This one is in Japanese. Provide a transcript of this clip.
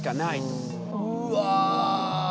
うわ。